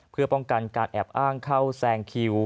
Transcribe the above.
เพื่อป้องกันแอบอ้างเข้า๓๕๐ที